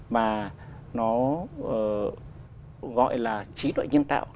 mà nó gọi là trí đoại nhân tạo